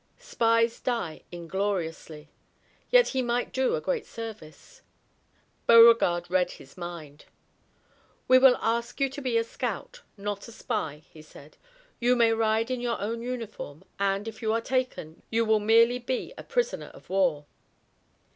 Spies die ingloriously. Yet he might do a great service. Beauregard read his mind. "We ask you to be a scout, not a spy," he said. "You may ride in your own uniform, and, if you are taken, you will merely be a prisoner of war."